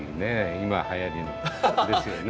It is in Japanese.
今はやりのですよね。